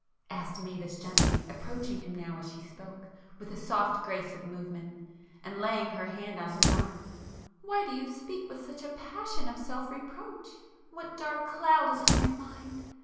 asked Mavis gently, approaching him now as she spoke, with a soft grace of movement, and laying her hand on his arm—"Why do you speak with such a passion of self reproach? What dark cloud is on your mind?